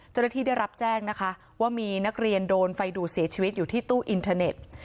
เจ้าหน้าที่ได้รับแจ้งนะคะว่ามีนักเรียนโดนไฟดูดเสียชีวิตอยู่ที่ตู้อินเทอร์เน็ต